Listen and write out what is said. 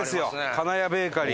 金谷ベーカリー。